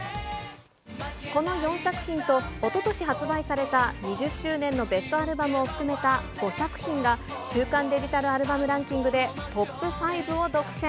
この４作品とおととし発売された２０周年のベストアルバムを含めた５作品が、週間デジタルアルバムランキングでトップ５を独占。